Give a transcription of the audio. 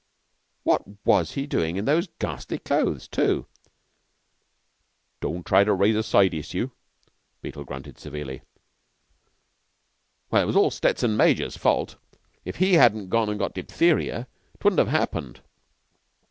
What was he doin' in those ghastly clothes, too?" "Don't try to raise a side issue," Beetle grunted severely. "Well, it was all Stettson major's fault. If he hadn't gone an' got diphtheria 'twouldn't have happened.